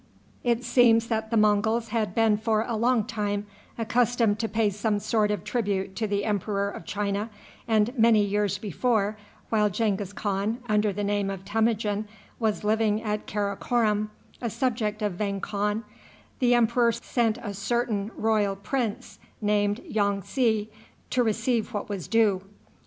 It seems that the Monguls had been for a long time accustomed to pay some sort of tribute to the Emperor of China, and many years before, while Genghis Khan, under the name of Temujin, was living at Karakorom, a subject of Vang Khan, the emperor sent a certain royal prince, named Yong tsi, to receive what was due.